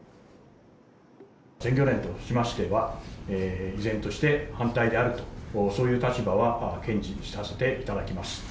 全漁連としましては、依然として反対であると、そういう立場は堅持させていただきます。